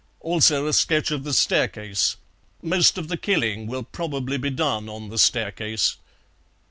Also a sketch of the staircase; most of the killing will probably be done on the staircase."